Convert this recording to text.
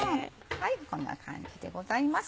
こんな感じでございます。